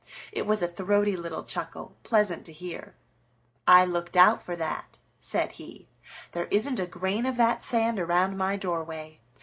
It was a throaty little chuckle, pleasant to hear. "I looked out for that," said he. "There isn't a grain of that sand around my doorway.